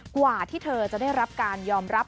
กว่าที่เธอจะได้รับการยอมรับ